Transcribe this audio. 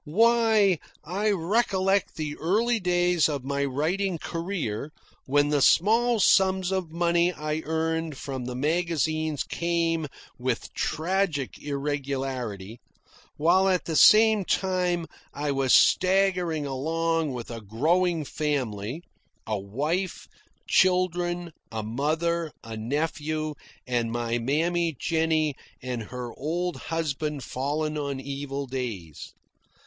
Why, I recollect the early days of my writing career, when the small sums of money I earned from the magazines came with tragic irregularity, while at the same time I was staggering along with a growing family a wife, children, a mother, a nephew, and my Mammy Jennie and her old husband fallen on evil days.